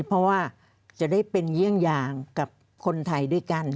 เพราะว่าจะได้เป็นเยี่ยงอย่างกับคนไทยด้วยกัน